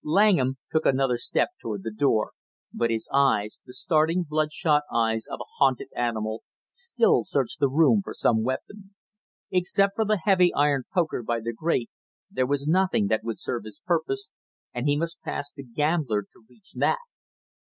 Langham took another step toward the door, but his eyes the starting bloodshot eyes of a hunted animal still searched the room for some weapon. Except for the heavy iron poker by the grate, there was nothing that would serve his purpose, and he must pass the gambler to reach that.